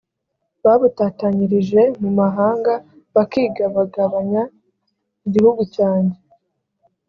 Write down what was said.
babutatanyirije mu mahanga bakigabagabanya igihugu cyanjye